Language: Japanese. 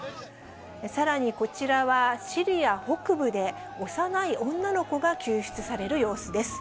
さらにこちらは、シリア北部で幼い女の子が救出される様子です。